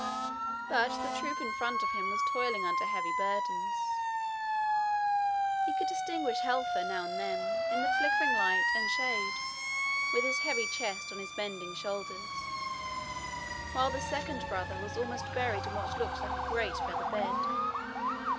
But the troop in front of him was toiling under heavy burdens. He could distinguish Helfer now and then, in the flickering light and shade, with his heavy chest on his bending shoulders; while the second brother was almost buried in what looked like a great feather bed.